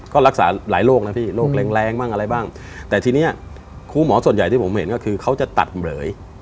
ก็รักษาหลายโรคนะพี่โรคแรงแรงบ้างอะไรบ้างแต่ทีนี้ครูหมอส่วนใหญ่ที่ผมเห็นก็คือเขาจะตัดเหลย